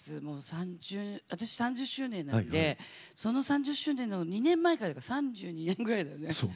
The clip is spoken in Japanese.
もう３０私３０周年なんでその３０周年の２年前からだから３２年ぐらいだね。